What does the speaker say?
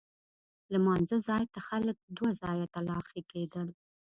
لمانځه ځای ته خلک دوه ځایه تلاښي کېدل.